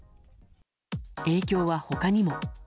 影響は他にも。